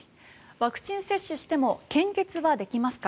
ワクチン接種しても献血はできますか？